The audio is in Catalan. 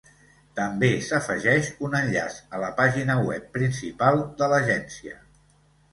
També s'afegeix un enllaç a la pàgina web principal de l'Agència.